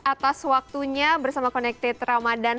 atas waktunya bersama connected ramadan